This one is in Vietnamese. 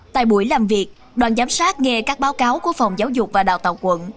tại buổi làm việc đoàn giám sát nghe các báo cáo của phòng giáo dục và đào tạo quận